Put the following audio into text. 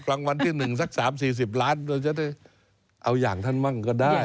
กลางวันที่หนึ่งสักสามสี่สิบล้านเราจะได้เอาอย่างท่านมั่งก็ได้